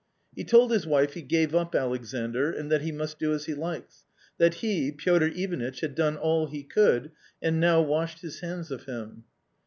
He told his wife he gave up Alexandr and that he must do as he likes — that he, Piotr Ivanitch, had done all he could, and now washed his hands of him.